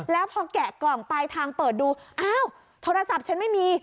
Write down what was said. แล้วพอแกะกล่องปลายทางเปิดดูอ้าวโทรศัพท์ฉันไม่มี